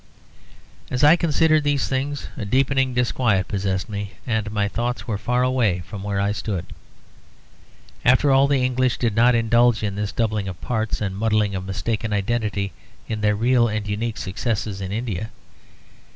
As I considered these things a deepening disquiet possessed me, and my thoughts were far away from where I stood. After all, the English did not indulge in this doubling of parts and muddling of mistaken identity in their real and unique success in India.